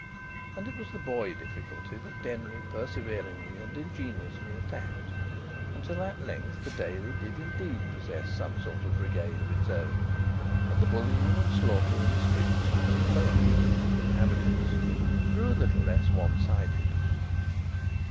And it was the boy difficulty that Denry perseveringly and ingeniously attacked, until at length the Daily did indeed possess some sort of a brigade of its own, and the bullying and slaughter in the streets (so amusing to the inhabitants) grew a little less one sided.